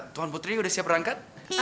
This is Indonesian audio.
tuan putri udah siap rangkat